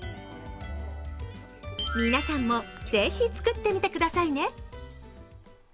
皆さんも是非作ってみてくださいね。